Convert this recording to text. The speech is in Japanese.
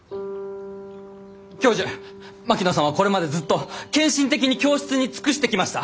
教授槙野さんはこれまでずっと献身的に教室に尽くしてきました！